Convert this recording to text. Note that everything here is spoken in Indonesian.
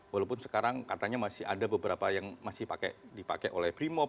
walaupun sekarang katanya masih ada beberapa yang masih dipakai oleh brimop